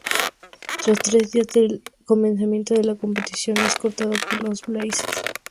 Tres días antes del comienzo de la competición es cortado por los Blazers.